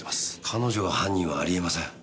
彼女が犯人はありえません。